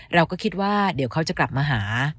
เราก็คิดว่าเดี๋ยวเขาจะกลับมาหา